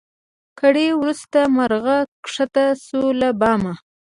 ګړی وروسته مرغه کښته سو له بامه